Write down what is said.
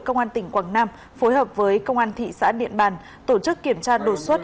công an tỉnh quảng nam phối hợp với công an thị xã điện bàn tổ chức kiểm tra đột xuất